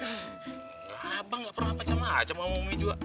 gak apa apa gak pernah macem macem sama umi juga